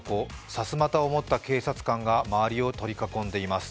さすまたを持った警察官が周りを取り囲んでいます。